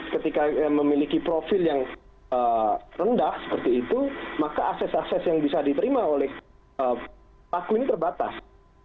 ketika memiliki profil yang rendah seperti itu maka akses akses yang bisa diterima oleh paku ini terbatas